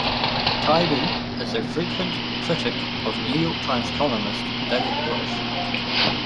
Taibbi is a frequent critic of "New York Times" columnist David Brooks.